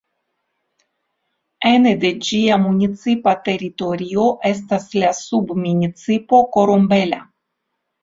Ene de ĝia municipa teritorio estas la submunicipo Corumbela.